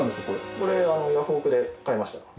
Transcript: これヤフオク！で買いました。